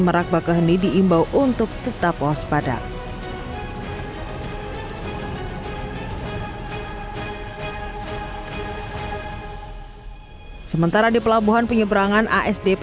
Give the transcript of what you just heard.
merak bakaheni diimbau untuk tetap waspada sementara di pelabuhan penyeberangan asdp